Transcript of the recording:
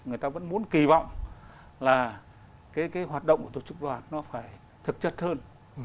người ta vẫn muốn kỳ vọng là cái hoạt động của tổ chức đoàn nó phải thực chất hơn